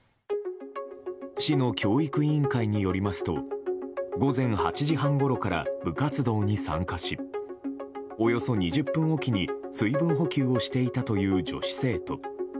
市の教育委員会によりますと午前８時半ごろから部活動に参加しおよそ２０分おきに水分補給をしていたという女子生徒。